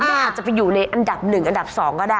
น่าจะไปอยู่ในอันดับ๑อันดับ๒ก็ได้